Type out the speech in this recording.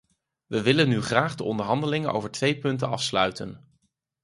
We willen nu graag de onderhandelingen over twee punten afsluiten.